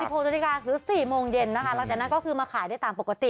๑๖นหรือ๔โมงเย็นหลังจากนั้นก็คือมาขายได้ตามปกติ